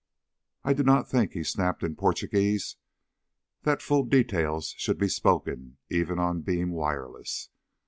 "I do not think," he snapped in Portuguese, "_that full details should be spoken even on beam wireless.